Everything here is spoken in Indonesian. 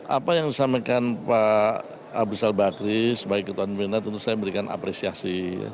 apa yang disampaikan pak abu rizal bakri sebagai ketua dewan pembina tentu saya memberikan apresiasi